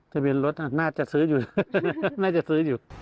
ทะเบียนรถน่าจะซื้ออยู่น่าจะซื้ออยู่